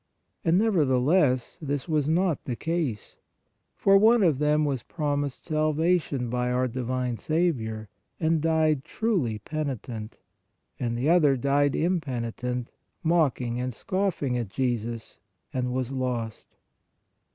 And, nevertheless, this was not the case, for one of them was promised salvation by our divine Saviour and died truly penitent, and the other died impeni tent, mocking and scoffing at Jesus, and was lost.